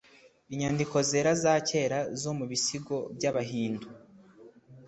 inyandiko zera za kera zo mu bisigo by’abahindu.